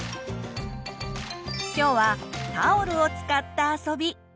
今日はタオルを使った遊び。